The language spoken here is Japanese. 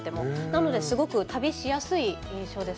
なのですごく旅しやすい印象ですね。